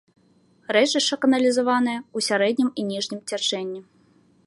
Рэчышча каналізаванае ў сярэднім і ніжнім цячэнні.